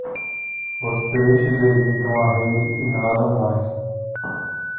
Os peixes evitam a rede e nadam mais.